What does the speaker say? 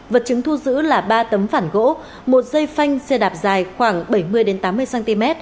vật chứng thu giữ là ba tấm phản gỗ một dây phanh xe đạp dài khoảng bảy mươi tám mươi cm